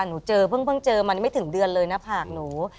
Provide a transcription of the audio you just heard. หนูเจอเฟ้นเจออันนี้ไม่ถึงเดือนเลยนะภาคหนู